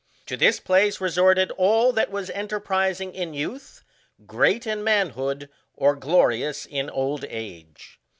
To this place resorted all that was enterprising in youth, great in manhood, or glorious in old age.